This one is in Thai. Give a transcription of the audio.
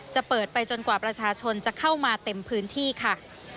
จะเปิดไปจนกว่าประชาชนจะเข้ามาเต็มพื้นที่ค่ะ